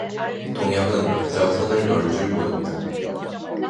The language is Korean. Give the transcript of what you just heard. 동혁은 그저 손을 놀 줄 모른다.